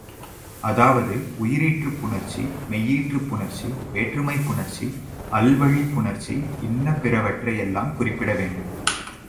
அதாவது உயிரீற்றுப் புணர்ச்சி, மெய்யீற்றுப் புணர்ச்சி, வேற்றுமைப் புணர்ச்சி, அல்வழிப் புணர்ச்சி இன்ன பிறவற்றை எல்லாம் குறிப்பிடவேண்டும்.